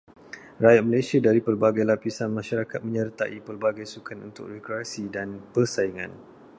Rakyat Malaysia dari pelbagai lapisan masyarakat menyertai pelbagai sukan untuk rekreasi dan persaingan.